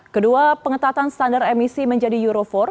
kedua pengetatan standar emisi menjadi euro empat